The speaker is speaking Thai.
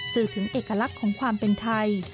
สื่อถึงเอกลักษณ์ของความเป็นไทย